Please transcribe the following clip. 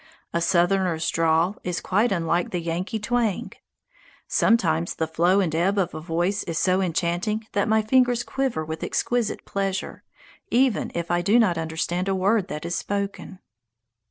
A Southerner's drawl is quite unlike the Yankee twang. Sometimes the flow and ebb of a voice is so enchanting that my fingers quiver with exquisite pleasure, even if I do not understand a word that is spoken.